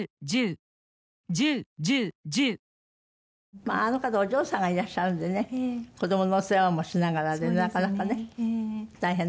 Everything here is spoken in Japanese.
まああの方お嬢さんがいらっしゃるんでね子供のお世話もしながらでなかなかね大変だったけど。